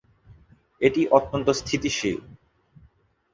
এটি অত্যন্ত স্থিতিশীল।